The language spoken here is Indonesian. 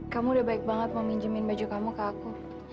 kamu udah baik banget meminjemin baju kamu ke aku